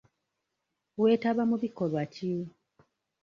Weetaba mu bikolwa ki?